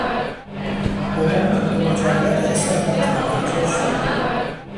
بمب به مجرد اصابت منفجر شد.